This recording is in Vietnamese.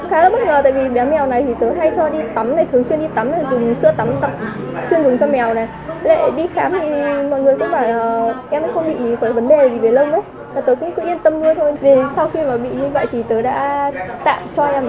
hương thường xuyên đi tắm dùng sữa tắm chuyên dụng cho mèo